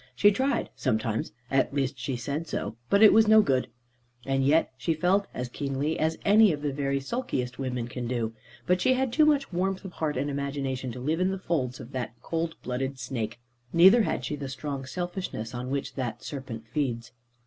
She tried sometimes (at least she said so), but it was no good. And yet she felt as keenly as any of the very sulkiest women can do; but she had too much warmth of heart and imagination to live in the folds of that cold blooded snake. Neither had she the strong selfishness, on which that serpent feeds.